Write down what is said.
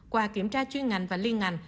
qua kiểm tra chuyên ngành và liên ngành